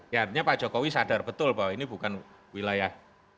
ya artinya pak jokowi sadar betul bahwa ini bukan wilayah